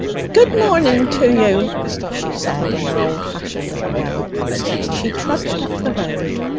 'Good morning to you,' she said in her old fashioned little way. She trudged up the road.